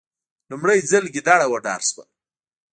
لومړی ځل ګیدړه وډار شوه.